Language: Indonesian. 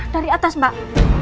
dari atas mbak